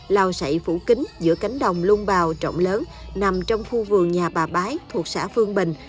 lao sậy phủ kính giữa cánh đồng lung bào trọng lớn nằm trong khu vườn nhà bà bái thuộc xã phương bình